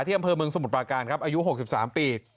อำเภอเมืองสมุทรปราการครับอายุ๖๓ปี